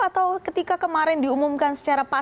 atau ketika kemarin diumumkan secara pas